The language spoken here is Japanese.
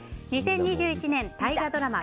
２０２１年大河ドラマ